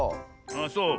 あっそう。